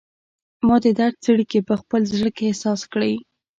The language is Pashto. ما د درد څړیکې په خپل زړه کې احساس کړي